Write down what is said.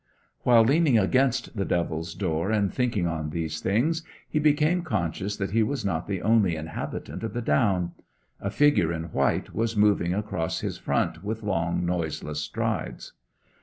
While leaning against the Devil's Door and thinking on these things, he became conscious that he was not the only inhabitant of the down. A figure in white was moving across his front with long, noiseless strides.